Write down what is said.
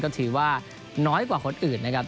ก็ถือว่าน้อยกว่าคนอื่นนะครับ